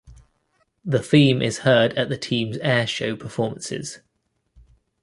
The theme is heard at the team's airshow performances.